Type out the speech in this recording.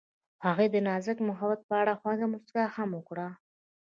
هغې د نازک محبت په اړه خوږه موسکا هم وکړه.